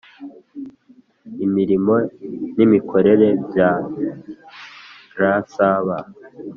imirimo n imikorere bya rsb